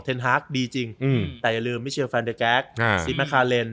เทรนฮาร์คดีจริงแต่อย่าลืมมิชเชียร์แฟนเตอร์แก๊กซีแมคคาเรน